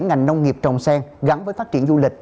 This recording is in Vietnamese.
ngành nông nghiệp trồng sen gắn với phát triển du lịch